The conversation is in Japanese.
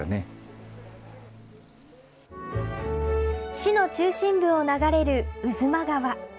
市の中心部を流れる巴波川。